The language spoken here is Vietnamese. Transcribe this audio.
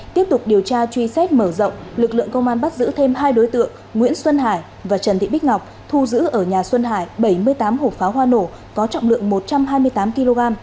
tiếp tục điều tra truy xét mở rộng lực lượng công an bắt giữ thêm hai đối tượng nguyễn xuân hải và trần thị bích ngọc thu giữ ở nhà xuân hải bảy mươi tám hộp pháo hoa nổ có trọng lượng một trăm hai mươi tám kg